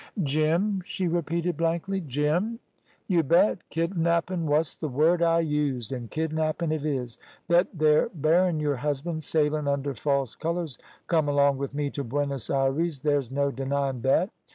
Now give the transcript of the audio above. "Jim!" she repeated blankly. "Jim!" "You bet. Kidnappin' wos th' word I used, an' kidnappin' it is. Thet there Berrin', your husband, sailin' under false colours, come along with me to Buenos Ayres there's no denying thet.